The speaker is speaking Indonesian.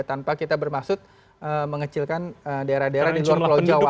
tanpa kita bermaksud mengecilkan daerah daerah di luar pulau jawa